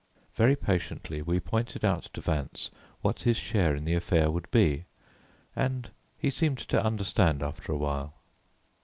Very patiently we pointed out to Vance what his share in the affair would be, and he seemed to understand after a while.